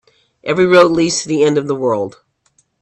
Every road leads to the end of the world.